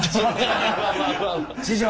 師匠。